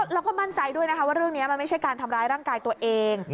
แล้วก็มั่นใจด้วยนะคะว่าเรื่องนี้มันไม่ใช่การทำร้ายร่างกายตัวเอง